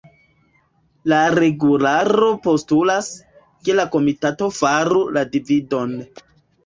la regularo postulas, ke la komitato faru la dividon.